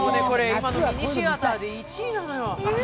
今のミニシアターで１位なのよ。